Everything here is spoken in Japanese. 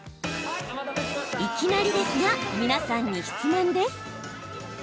いきなりですが皆さんに質問です！